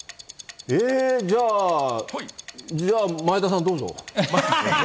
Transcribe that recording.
じゃあ前田さん、どうぞ。